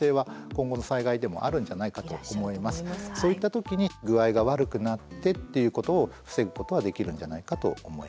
そういった時に具合が悪くなってっていうことを防ぐことはできるんじゃないかと思います。